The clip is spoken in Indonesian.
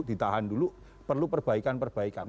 ditahan dulu perlu perbaikan perbaikan